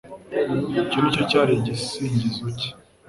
icyo nicyo cyari igisingizo cye )